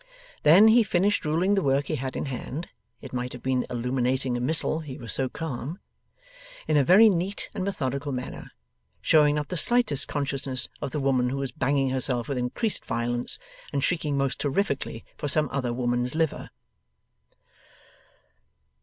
Then, he finished ruling the work he had in hand (it might have been illuminating a missal, he was so calm), in a very neat and methodical manner, showing not the slightest consciousness of the woman who was banging herself with increased violence, and shrieking most terrifically for some other woman's liver.